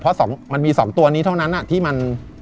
เพราะมันมี๒ตัวนี้เท่านั้นที่มัน